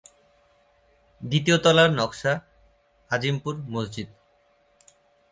দ্বিতীয় তলার নকশা, আজিমপুর মসজিদ